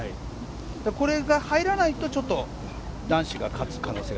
これが入らないとちょっと男子が勝つ可能性が。